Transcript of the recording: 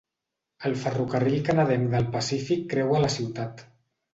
El ferrocarril canadenc del Pacífic creua la ciutat.